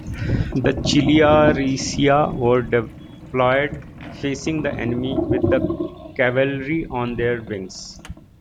The Chiliarciai were deployed facing the enemy, with the cavalry on their wings.